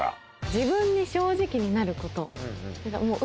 自分に正直になること。